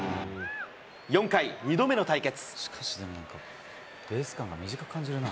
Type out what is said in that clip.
４回、２度目の対決。